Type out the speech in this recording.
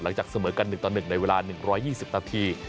หลังจากเสมอกัน๑ตะ๑ในเวลา๑๒๐นาที